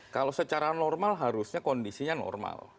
kalau secara normal harusnya kondisinya normal